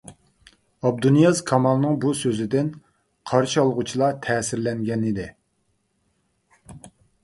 ئابدۇنىياز كامالنىڭ بۇ سۆزىدىن قارشى ئالغۇچىلار تەسىرلەنگەنىدى.